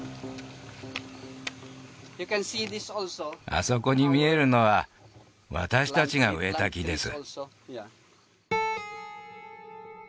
あそこに見えるのは私たちが植えた木です